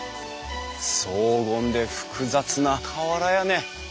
荘厳で複雑な瓦屋根。